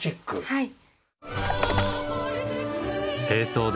はい。